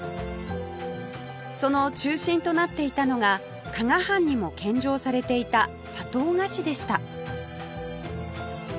その中心となっていたのが加賀藩にも献上されていた砂糖菓子でした